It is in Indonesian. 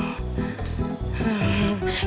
mana ada hantu di sini